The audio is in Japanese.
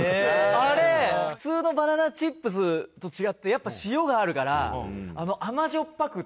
あれ、普通のバナナチップスと違ってやっぱ、塩があるから甘じょっぱくって。